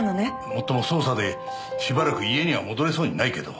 もっとも捜査でしばらく家には戻れそうにないけど。